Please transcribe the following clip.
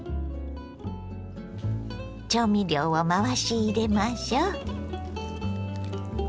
調味料を回し入れましょう。